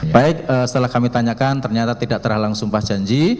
baik setelah kami tanyakan ternyata tidak terhalang sumpah janji